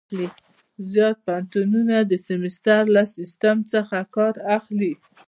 زیات پوهنتونونه د سمستر له سیسټم څخه کار اخلي.